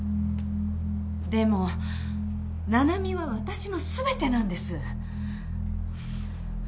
でも七海は私の全てなんです。